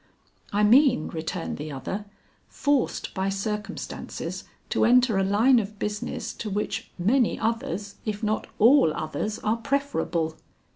"I mean," returned the other; "forced by circumstances to enter a line of business to which many others, if not all others are preferable."